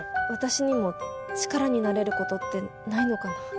私にも力になれることってないのかな？